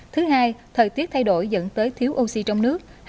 thứ hai thời tiết thay đổi dẫn tới thiếu oxy trong nước